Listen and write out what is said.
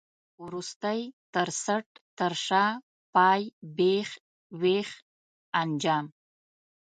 وروستی، تر څټ، تر شا، پای، بېخ، وېخ، انجام.